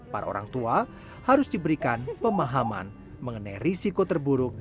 para orang tua harus diberikan pemahaman mengenai risiko terburuk